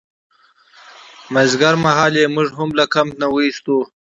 مازدیګرمهال یې موږ هم له کمپ نه ویستو.